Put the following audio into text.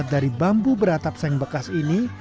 dibuat dari bambu beratap saing bekas ini